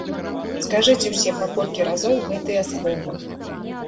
Скажыце ўсе па колькі разоў гэтыя словы.